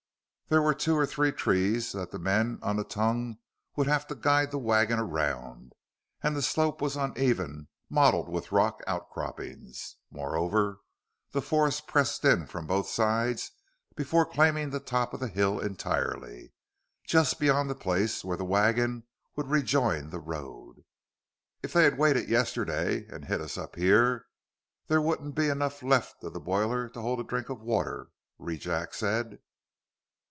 There were two or three trees that the men on the tongue would have to guide the wagon around, and the slope was uneven, mottled with rock outcroppings. Moreover, the forest pressed in from both sides before claiming the top of the hill entirely, just beyond the place where the wagon would rejoin the road. "If they'd waited yesterday and hit us up here, there wouldn't be enough left of the boiler to hold a drink of water," Rejack said.